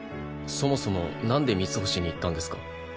そもそもなんでミツホシに行ったんですか？